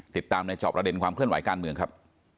ติดตามในจอบประเด็นความเคลื่อนไหวการเมืองครับ